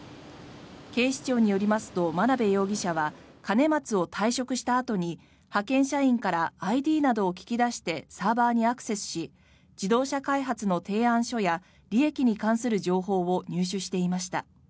警視庁によりますと眞鍋容疑者は兼松を退職したあとに派遣社員からＩＤなどを聞き出してサーバーにアクセスし自動車開発の提案書や利益に関する情報を入手していました。